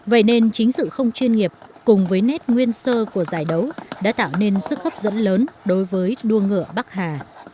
vậy nên chính sự không chuyên nghiệp cùng với nét nguyên sơ của giải đấu đã tạo nên sức hấp dẫn lớn đối với đua ngựa bắc hà